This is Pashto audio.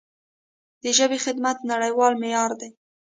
د ژبې خدمت نړیوال معیار دی.